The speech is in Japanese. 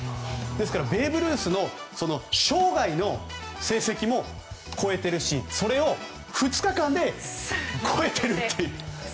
ですからベーブ・ルースの生涯の成績も超えているしそれを２日間で超えたという。